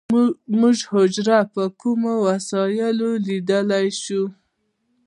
موږ حجره په کومه وسیله لیدلی شو